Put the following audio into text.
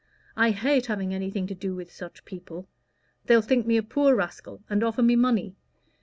I hate having anything to do with such people. They'll think me a poor rascal, and offer me money.